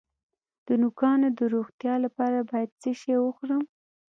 د نوکانو د روغتیا لپاره باید څه شی وخورم؟